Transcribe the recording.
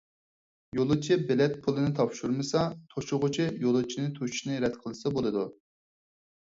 يولۇچى بېلەت پۇلىنى تاپشۇرمىسا، توشۇغۇچى يولۇچىنى توشۇشنى رەت قىلسا بولىدۇ.